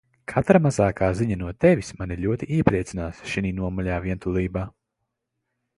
Katra mazākā ziņa no Tevis mani ļoti iepriecinās šinī nomaļā vientulībā.